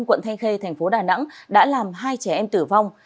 quận thanh khê thành phố đà nẵng đã làm hai trẻ em tử vong